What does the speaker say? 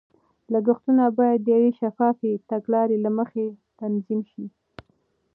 لګښتونه باید د یوې شفافې تګلارې له مخې تنظیم شي.